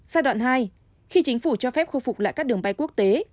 giai đoạn hai khi chính phủ cho phép khôi phục lại các đường bay quốc tế